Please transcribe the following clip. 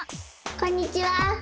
こんにちは！